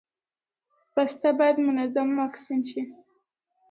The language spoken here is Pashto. پسه باید منظم واکسین شي.